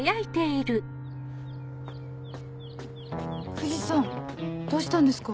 藤さんどうしたんですか？